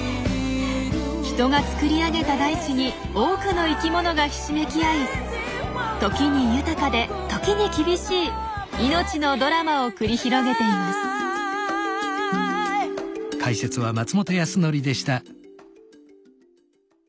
人が作り上げた大地に多くの生きものがひしめき合い時に豊かで時に厳しい命のドラマを繰り広げています。